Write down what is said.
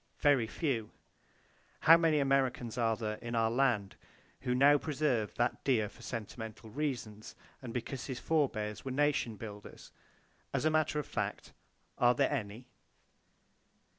Very few! How many Americans are there in our land who now preserve that deer for sentimental reasons, and because his forbears were nation builders? As a matter of fact, are there any?